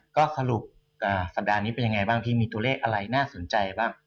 ก็สรุปสัปดาห์นี้เป็นยังไงบ้างพี่มีตัวเลขอะไรน่าสนใจบ้าง